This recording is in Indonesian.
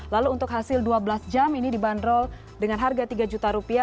lalu untuk hasil dua belas jam ini dibanderol dengan harga rp tiga